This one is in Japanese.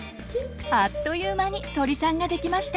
あっという間に鳥さんができました！